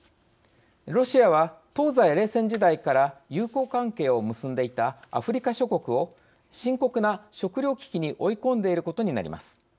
ロシアは東西冷戦時代から友好関係を結んでいたアフリカ諸国を深刻な食糧危機に追い込んでいることになります。